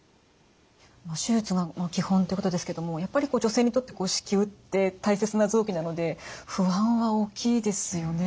手術が基本ってことですけどやっぱり女性にとって子宮って大切な臓器なので不安は大きいですよね？